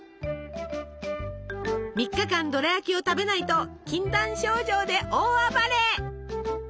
３日間ドラやきを食べないと禁断症状で大暴れ！